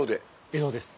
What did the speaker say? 江戸です。